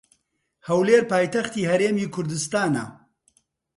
هەولێر پایتەختی هەرێمی کوردستانە.